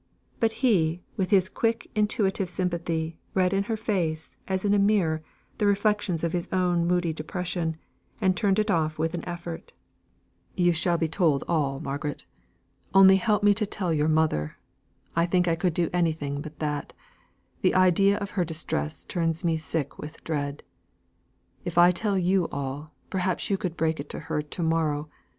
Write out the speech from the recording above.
But he, with his quick intuitive sympathy, read in her face, as in a mirror, the reflections of his own moody depression, and turned it off with an effort. "You shall be told all, Margaret. Only help me to tell your mother. I think I could do anything but that: the idea of her distress turns me sick with dread. If I tell you all, perhaps you could break it to her to morrow.